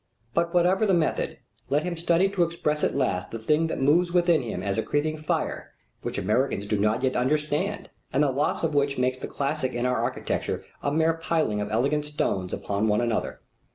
But whatever the method, let him study to express at last the thing that moves within him as a creeping fire, which Americans do not yet understand and the loss of which makes the classic in our architecture a mere piling of elegant stones upon one another.